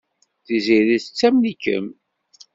Tiziri tettamen-ikem.